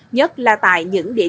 nhất là tại những địa điểm